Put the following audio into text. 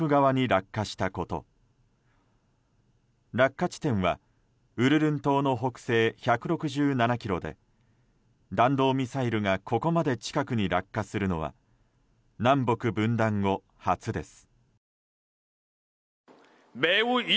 落下地点はウルルン島の北西１６７ｋｍで弾道ミサイルがここまで近くに落下するのは南北分断後初です。